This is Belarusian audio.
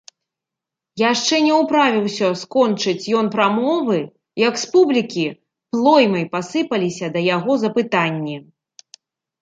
Яшчэ не ўправіўся скончыць ён прамовы, як з публікі плоймай пасыпаліся да яго запытанні.